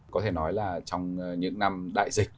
có thể nói là trong những năm đại dịch